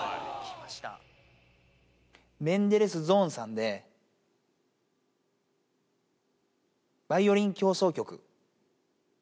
メンデルスゾーンさんで、バイオリン協奏曲。